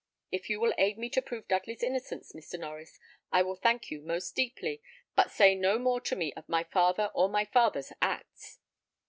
If you will aid me to prove Dudley's innocence, Mr. Norries, I will thank you most deeply; but say no more to me of my father or my father's acts."